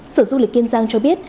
sở du lịch kiên giang cho biết